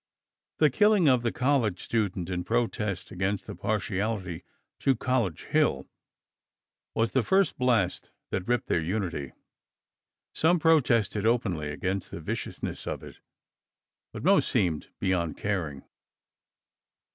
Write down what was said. The killing of the college student in protest against the partiality to College Hill was the first blast that ripped their unity. Some protested openly against the viciousness of it, but most seemed beyond caring.